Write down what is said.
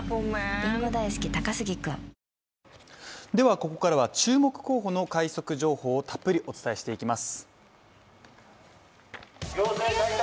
ここからは注目候補の情報をたっぷりお伝えしていきます。